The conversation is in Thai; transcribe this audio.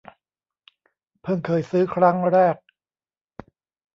เพิ่งเคยซื้อครั้งแรก